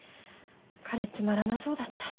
彼つまらなそうだった。